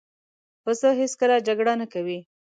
پسه هېڅکله جګړه نه کوي.